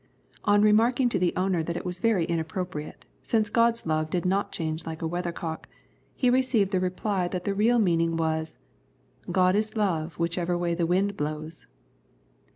On remarking to the owner that it was very inappropriate, since God's love did not change like a weathercock, he received the reply that the real meaning was, " God is love whichever way the wind blows."